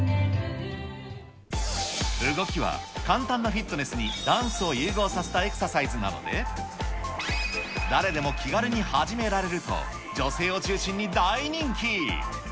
動きは、簡単なフィットネスにダンスを融合させたエクササイズなので、誰でも気軽に始められると、女性を中心に大人気。